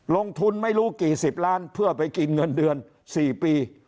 ลงทุนไม่รู้กี่สิบล้านเพื่อไปกินเงินเดือน๔ปี